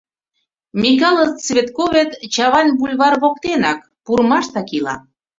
Микале Цветковет Чавайн бульвар воктенак, пурымаштак, ила.